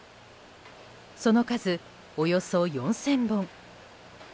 その数およそ４０００本。